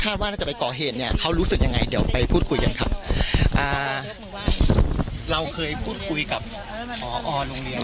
คาดว่าน่าจะไปก่อเหตุเนี่ยเขารู้สึกยังไงเดี๋ยวไปพูดคุยกันค่ะอ่าเราเคยพูดคุยกับพอร์อโรงเรียนหรือเป่อยนะครับ